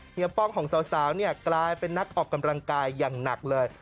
ป้องของสาวเนี่ยกลายเป็นนักออกกำลังกายอย่างหนักเลย